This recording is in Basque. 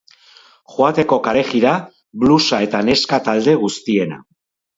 Joateko kalejira, blusa eta neska talde guztiena.